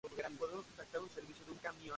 Antes de convertirse en actor fue cantante.